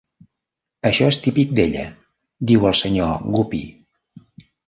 "Això és típic d'ella", diu el senyor Guppy.